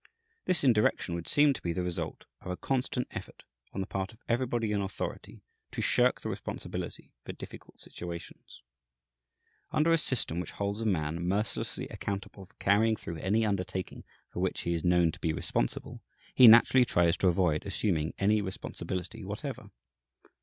This indirection would seem to be the result of a constant effort, on the part of everybody in authority, to shirk the responsibility for difficult situations. Under a system which holds a man mercilessly accountable for carrying through any undertaking for which he is known to be responsible, he naturally tries to avoid assuming any responsibility whatever.